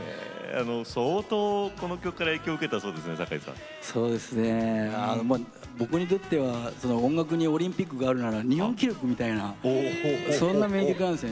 相当この曲から僕にとっては音楽にオリンピックがあったら日本記録みたいなそんな名曲なんですね。